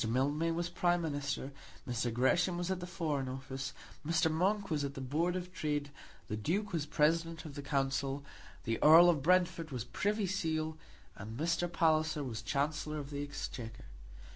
Mildmay was Prime Minister; Mr. Gresham was at the Foreign Office; Mr. Monk was at the Board of Trade; the Duke was President of the Council; the Earl of Brentford was Privy Seal; and Mr. Palliser was Chancellor of the Exchequer.